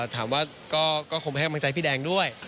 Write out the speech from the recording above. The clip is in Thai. ถามว่าก็คงไปให้กำลังใจพี่แดงด้วย